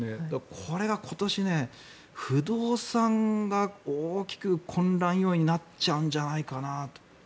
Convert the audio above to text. これが、今年不動産が大きく混乱要因になっちゃうんじゃないかなと。